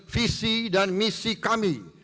visi dan misi kami